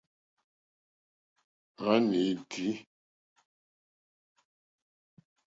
Wàní é tíí.